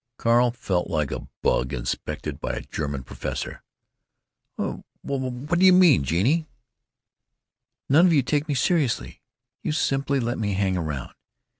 " Carl felt like a bug inspected by a German professor. "W why, how d'you mean, Genie?" "None of you take me seriously. You simply let me hang around.